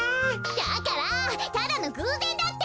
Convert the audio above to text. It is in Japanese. だからただのぐうぜんだって！